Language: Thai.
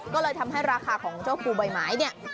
ก็เลยทำให้ราคาของเจ้าภูใบไม้เนี่ย